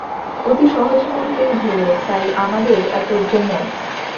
অতি সহজ মন্ত্রেই ভোল, তাই আমাদের এত গুমর।